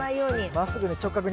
まっすぐに直角に。